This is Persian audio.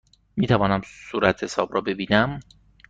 می توانم صورتحساب را ببینم؟